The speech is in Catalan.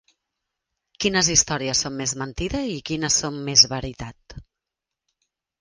Quines històries són més mentida i quines són més veritat.